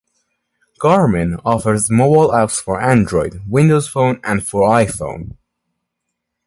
Garmin offers mobile apps for Android, Windows Phone, and for iPhone.